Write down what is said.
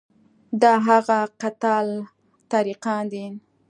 دا هغه قطاع الطریقان دي.